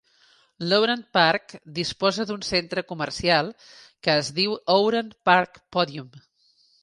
L'Oran Park disposa d'un centre comercial que es diu Oran Park Podium.